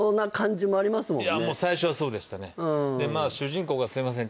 いやもう最初はそうでしたねでまあ主人公がすいません